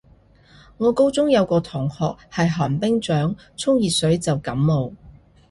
我高中有個同學係寒冰掌，沖熱水就感冒